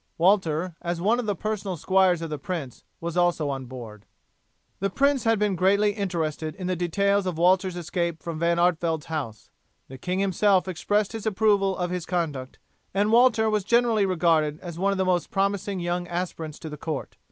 Walter, as one of the personal squires of the prince, was also on board. The prince had been greatly interested in the details of Walter's escape from Van Artevelde's house, the king himself expressed his approval of his conduct, and Walter was generally regarded as one of the most promising young aspirants to the court.